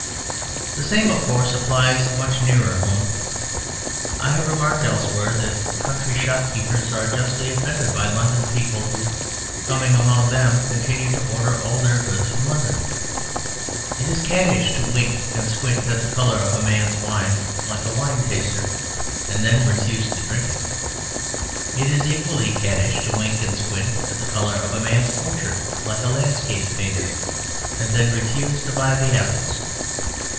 The same, of course, applies much nearer home. I have remarked elsewhere that country shopkeepers are justly offended by London people, who, coming among them, continue to order all their goods from London. It is caddish to wink and squint at the colour of a man's wine, like a wine taster; and then refuse to drink it. It is equally caddish to wink and squint at the colour of a man's orchard, like a landscape painter; and then refuse to buy the apples.